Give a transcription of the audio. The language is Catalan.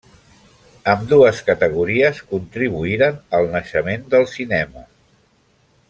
Ambdues categories contribuïren al naixement del cinema.